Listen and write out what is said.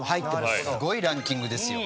すごいランキングですよ。